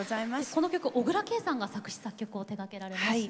この曲小椋佳さんが作詞作曲を手がけられました。